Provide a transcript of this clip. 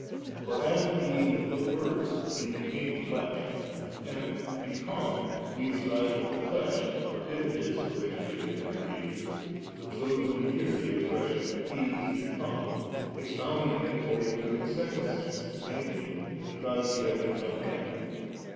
For as, being the * Word,' He ' became flesh *,' and * become ' we ascribe to the flesh, for it is originated and created, so do we here the expression 'He is become,' expounding it according to a second sense, viz. because He has become man.